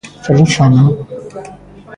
Feliz Ano.